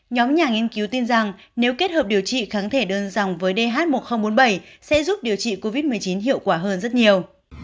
nhóm nhà nghiên cứu tin rằng nếu kết hợp điều trị kháng thể đơn dòng với dh một nghìn bốn mươi bảy sẽ giúp điều trị covid một mươi chín hiệu quả hơn rất nhiều